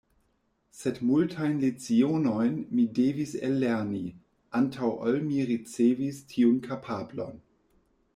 Sed multajn lecionojn mi devis ellerni, antaŭ ol mi ricevis tiun kapablon.